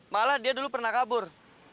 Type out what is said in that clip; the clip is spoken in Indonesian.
malah dia dulu pernah kabur